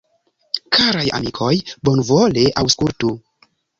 Karaj amikoj, bonvole aŭskultu!